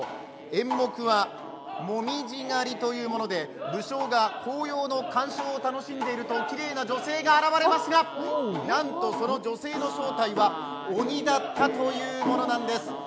演目は「紅葉狩」というもので、武将が紅葉の鑑賞を楽しんでいるときれいな女性が現れますが、なんとその女性の正体は鬼だったというものなんです。